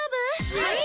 はい！